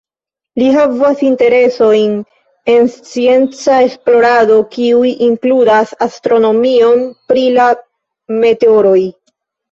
Li havas interesojn en scienca esplorado, kiuj inkludas astronomion pri la meteoroj.